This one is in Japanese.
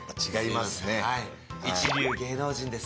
一流芸能人です。